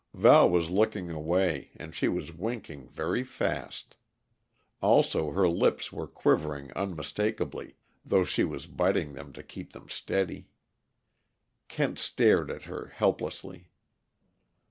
Val was looking away, and she was winking very fast. Also, her lips were quivering unmistakably, though she was biting them to keep them steady. Kent stared at her helplessly.